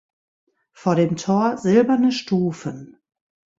Vor dem Tor silberne Stufen.